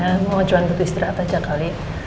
ya mau cuan buat istirahat aja kali